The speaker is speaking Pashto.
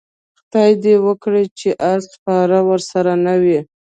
خدای دې وکړي چې اس سپاره ورسره نه وي.